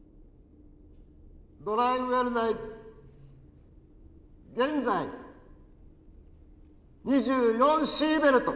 ドライウェル内現在２４シーベルト。